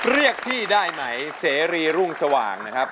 เรียกที่ได้ไหมเสรีรุ่งสว่างนะครับ